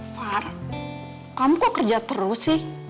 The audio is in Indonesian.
far kamu kok kerja terus sih